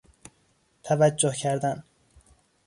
توجه کردن